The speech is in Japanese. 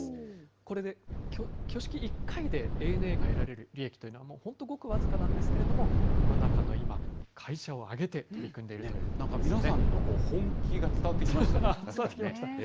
これで挙式１回でＡＮＡが得られる利益というのは、本当ごく僅かなんですけれども、コロナ禍の今、会社を挙げて取りなんか皆さんの本気が伝わっ伝わってきました？